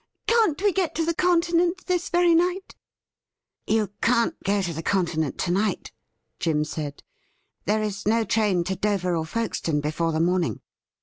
Can't we get to the Continent this very night .'" 'You can't go to the Continent to night,' Jim said. ' There is no train to Dover or Folkestone before the morning.'